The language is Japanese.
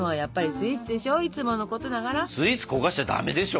スイーツ焦がしちゃダメでしょ。